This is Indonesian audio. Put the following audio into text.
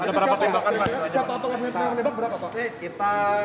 ada berapa tembakan pak